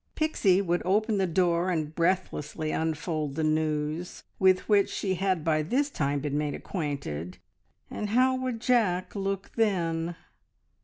Pixie would open the door and breathlessly unfold the news with which she had by this time been made acquainted, and how would Jack look then?